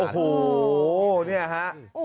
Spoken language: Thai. โอ้โหเนี่ยฮะ